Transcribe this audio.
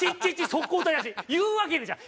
言うわけねえじゃん。